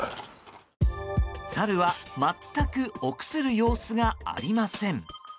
サルは全く臆する様子がありません。